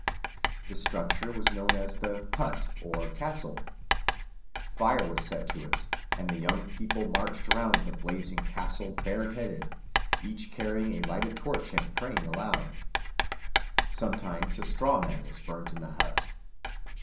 The structure was known as the "hut" or "castle." Fire was set to it and the young people marched round the blazing "castle" bareheaded, each carrying a lighted torch and praying aloud. Sometimes a straw man was burned in the "hut."